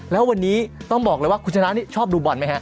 แล้ววันนี้ต้องบอกเลยว่าคุณชนะนี่ชอบดูบอลไหมฮะ